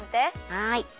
はい。